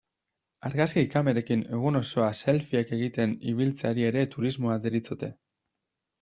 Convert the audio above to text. Argazki kamerekin egun osoa selfieak egiten ibiltzeari ere turismo deritzote.